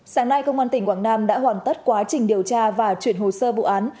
sáng nay công an tỉnh quảng nam đã hoàn tất quá trình điều tra và chuyển hồ sơ vụ án